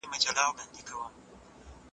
په پلي مزل کې بې ځایه لګښت نه غوښتل کېږي.